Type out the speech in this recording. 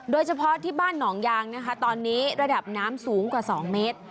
โดยเฉพาะที่บ้านหนองยางนะคะตอนนี้ระดับน้ำสูงกว่า๒เมตร